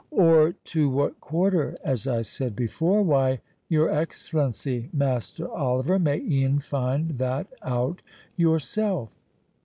—"Or to what quarter, as I said before, why, your Excellency, Master Oliver, may e'en find that out yourself."